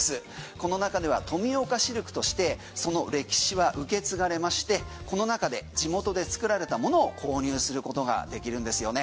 この中では富岡シルクとしてその歴史は受け継がれましてこの中で地元で作られたものを購入することができるんですよね。